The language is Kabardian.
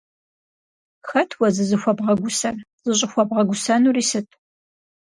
Хэт уэ зызыхуэбгъэгусэр? ЗыщӀыхуэбгъэгусэнури сыт?